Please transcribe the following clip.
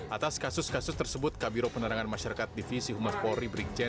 atas kasus kasus tersebut kabiro penerangan masyarakat divisi humas polri brigjen